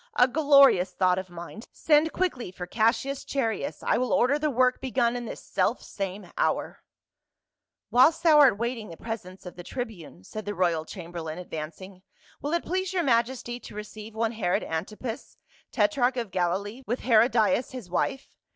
A glorious thought of mine ! Send quickly for Cassius Chaereas ; I will order the work begun in this self same hour !" CAIUS, THE GOD. 159 "Whilst thou art waiting the presence of the tri bune," said the royal chamberlain, advancing, " will it please your majesty to receive one Herod Antipas, tetrarch of Galilee, with Herodias his wife